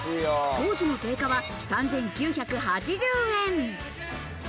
当時の定価は３９８０円。